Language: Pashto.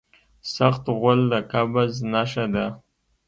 سخت غول د قبض نښه ده.